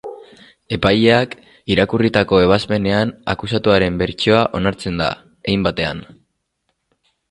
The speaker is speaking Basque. Epaileak irakurritako ebazpenean akusatuaren bertsioa onartzen da, hein batean.